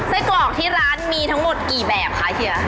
ไส้กรอกที่ร้านมีทั้งหมดกี่แบบคะเฮีย